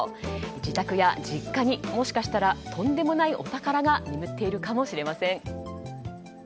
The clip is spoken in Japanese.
自宅や実家にもしかしたらとんでもないお宝が眠っているかもしれません。